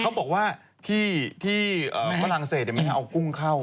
ถูกอยากคิดดีว่าที่ฝรั่งเศสเอากุ้งเข้า